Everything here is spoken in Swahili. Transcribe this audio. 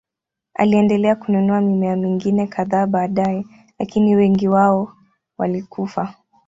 Aliendelea kununua mimea mingine kadhaa baadaye, lakini wengi wao walikufa.